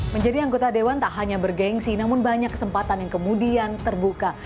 menjadi anggota dewan tak hanya bergensi namun banyak kesempatan yang kemudian terbuka